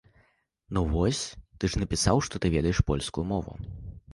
Ну, вось ты ж напісаў, што ты ведаеш польскую мову.